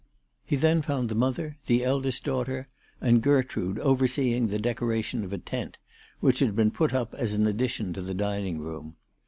He then found the mother, the eldest daughter, and Gertrude overseeing the decoration of a tent, which had been put up as an addition to the dining room.